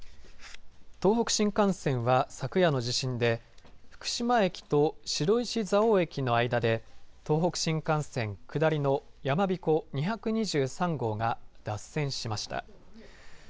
東北新幹線は、昨夜の地震で福島駅と白石蔵王駅の間で東北新幹線、下りのやまびこ２２３号が脱線しました。